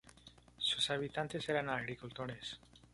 Sus habitantes eran agricultores.